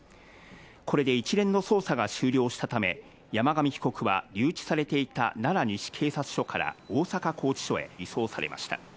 これで一連の捜査が終了したため、山上被告は留置されていた奈良西警察署から大阪拘置所へ移送されました。